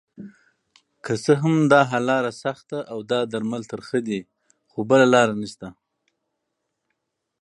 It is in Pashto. که څه هم داحل لاره سخته اودا درمل ترخه دي خو بله لاره نشته